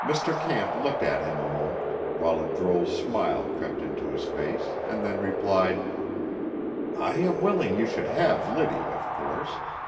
Mr. Camp looked at him a moment, while a droll smile crept into his face, and then replied: "I am willing you should have Liddy, of course.